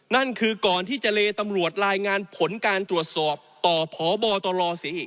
นั่นคือก่อนที่จะเลตำรวจรายงานผลการตรวจสอบต่อพบตรศรีอีก